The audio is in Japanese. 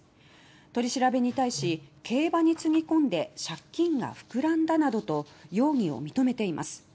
取り調べに対し「競馬につぎ込んで借金が膨らんだ」などと容疑を認めています。